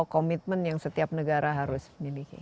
komitmen yang setiap negara harus miliki